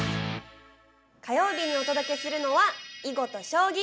火曜日にお届けするのは囲碁と将棋。